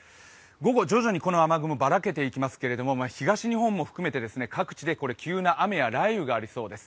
午後、徐々にこの雨雲ばらけていきますけれども、東日本も含めて各地で急な雨や雷雨がありそうです。